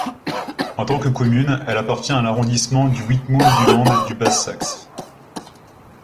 En tant que commune, elle appartient à l'arrondissement de Wittmund du Land de Basse-Saxe.